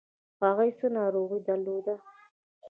هغوی څه ناروغي درلوده؟